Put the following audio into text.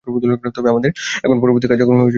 তবে আমাদের এখন পরবর্তী কার্যক্রমে যেতে হবে।